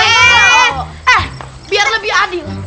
eh biar lebih adil